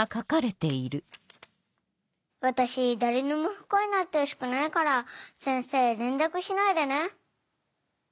私誰にも不幸になってほしくないから先生連絡しないでね。